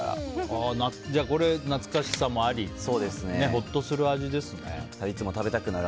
懐かしさもありほっとする味ですね。